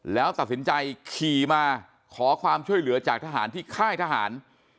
แล้วตัดสินใจขี่มาขอความช่วยเหลือจากทหารที่ค่ายทหาร